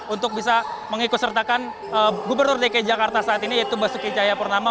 untuk bisa mengikut sertakan gubernur dki jakarta saat ini yaitu basuki cahayapurnama